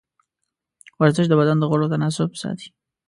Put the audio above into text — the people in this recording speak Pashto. ورزش د بدن د غړو تناسب ساتي.